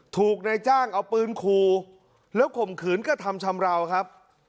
ถูกนายจ้างเอาปืนขู่แล้วข่มขืนกระทำชำราวครับ